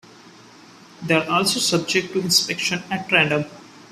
They are also subject to inspection at random.